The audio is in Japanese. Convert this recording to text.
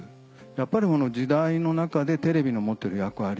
やっぱりその時代の中でテレビの持ってる役割。